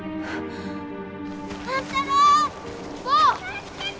・助けて！